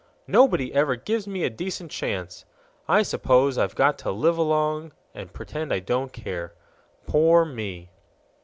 Nobody ever gives me a decent chance. I suppose I've got to live along and pretend I don't care. Poor me!"